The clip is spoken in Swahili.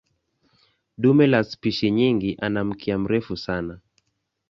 Dume la spishi nyingi ana mkia mrefu sana.